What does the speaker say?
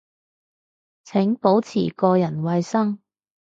請保持個人衛生